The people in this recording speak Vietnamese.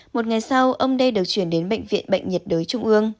một ngày sau ông đê được chuyển đến bệnh viện bệnh nhiệt đới trung ương